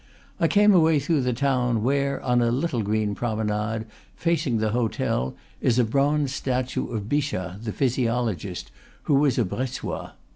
I came away through the town, where, on a little green promenade, facing the hotel, is a bronze statue of Bichat, the physiologist, who was a Bressois.